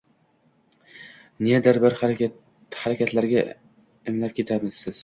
Nedir bir harakatlarga imlab ketasiz